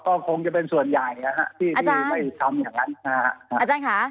ก็คงจะเป็นส่วนใหญ่ที่ไม่ทำอย่างนั้น